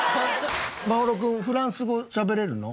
眞秀君フランス語しゃべれるの？